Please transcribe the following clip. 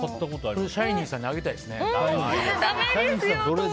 シャイニーさんにあげたりしないの？